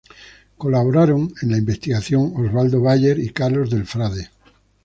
Colaboraron en la investigación Osvaldo Bayer y Carlos del Frade.